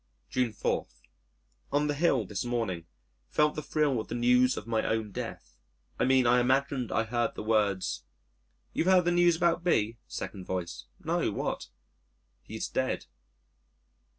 June 4. On the Hill, this morning, felt the thrill of the news of my own Death: I mean I imagined I heard the words, "You've heard the news about B ?" Second Voice: "No, what?" "He's dead."